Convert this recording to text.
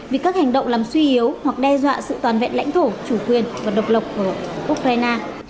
vì các hành động làm suy yếu hoặc đe dọa sự toàn vẹn lãnh thổ chủ quyền và độc lập của ukraine